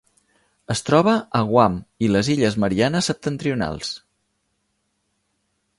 Es troba a Guam i les Illes Mariannes Septentrionals.